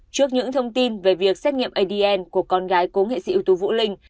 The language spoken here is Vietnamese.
trước những thông tin về việc xét nghiệm adn của con gái cố nghệ sĩ ưu tú vũ linh